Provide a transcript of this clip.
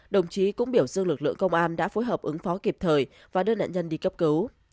đồng chí cũng biểu dương lực lượng công an đã phối hợp ứng phó kịp thời và đưa nạn nhân đi cấp cứu